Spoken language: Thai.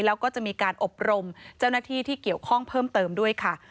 แล้วก็จะมีการอบรมเจ้าหน้าที่ที่เกี่ยวข้องเพิ่มเติมด้วยค่ะ